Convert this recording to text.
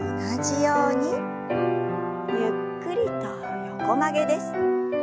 ゆっくりと横曲げです。